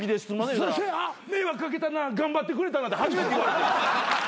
言うたら迷惑掛けたな頑張ってくれたなって初めて言われてん。